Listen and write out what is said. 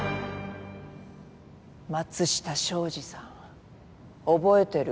松下昭二さん覚えてる？